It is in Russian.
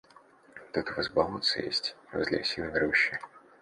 Тут у вас болотце есть, возле осиновой рощи.